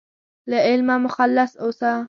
له علمه مخلص اوسه.